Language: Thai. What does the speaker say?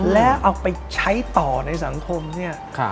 แล้วเอาไปใช้ต่อในสังคมเนี่ย